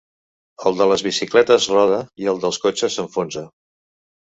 El de les bicicletes roda i el dels cotxes s'enfonsa.